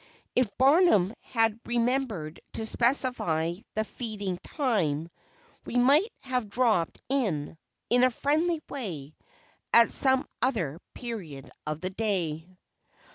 If Barnum had remembered to specify the "Feeding time," we might have dropped in, in a friendly way, at some other period of the day."